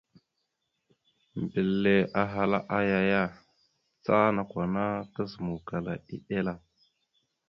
Mbile ahala aya ya, ca nakw ana kazǝmawkala eɗel a.